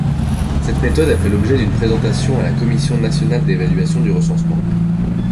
Cette méthode a fait l’objet d’une présentation à la Commission nationale d'évaluation du recensement.